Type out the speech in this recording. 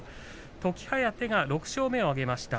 時疾風が６勝目を挙げました。